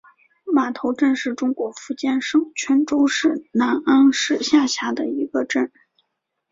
码头镇是中国福建省泉州市南安市下辖的一个镇。